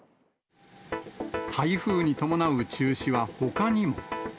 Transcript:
台風に伴う中止はほかにも。